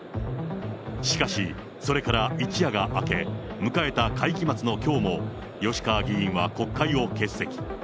しかし、それから一夜が明け、迎えた会期末のきょうも、吉川議員は国会を欠席。